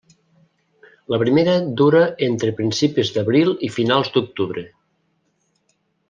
La primera dura entre principis d'abril i finals d'octubre.